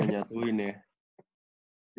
yang bisa menyatuin ya